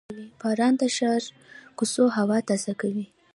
• باران د ښاري کوڅو هوا تازه کوي.